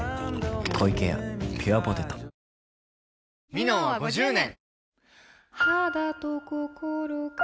「ミノン」は５０年！